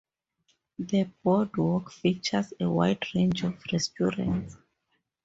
The BoardWalk features a wide range of restaurants.